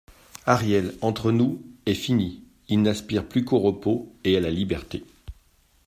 Ariel, entre nous, est fini ; il n'aspire plus qu'au repos et à la liberté.